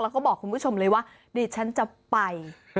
แล้วก็บอกคุณผู้ชมเลยว่าดิฉันจะไป